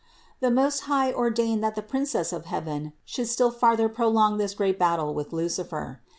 369. The Most High ordained that the Princess of heaven should still farther prolong this great battle with L^ucifer.